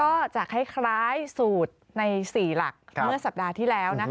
ก็จะคล้ายสูตรใน๔หลักเมื่อสัปดาห์ที่แล้วนะคะ